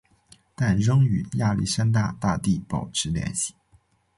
但仍与亚历山大大帝保持联系。